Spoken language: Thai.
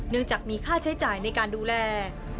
จากมีค่าใช้จ่ายในการดูแล